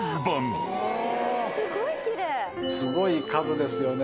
すごい数ですよね。